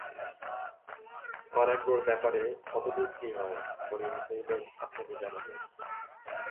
আরোগ্যের ব্যাপারে কতদূর কি হয়, পরে বিস্তারিত আপনাকে জানাব।